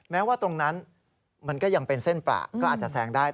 แม้ว่าตรงนั้นมันก็ยังเป็นเส้นประก็อาจจะแซงได้